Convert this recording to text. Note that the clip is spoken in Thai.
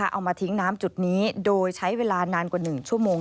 เอามาทิ้งน้ำจุดนี้โดยใช้เวลานานกว่า๑ชั่วโมง